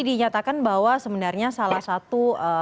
dinyatakan bahwa sebenarnya salah satu